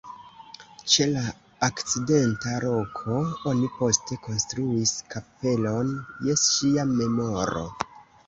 Ĉe la akcidenta loko oni poste konstruis kapelon je ŝia memoro.